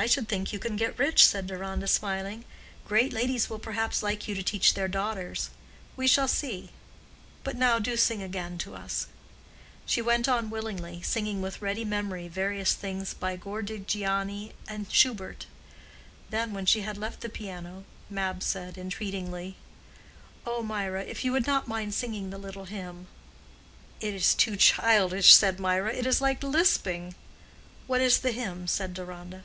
"I should think you can get rich," said Deronda, smiling. "Great ladies will perhaps like you to teach their daughters. We shall see. But now do sing again to us." She went on willingly, singing with ready memory various things by Gordigiani and Schubert; then, when she had left the piano, Mab said, entreatingly, "Oh, Mirah, if you would not mind singing the little hymn." "It is too childish," said Mirah. "It is like lisping." "What is the hymn?" said Deronda.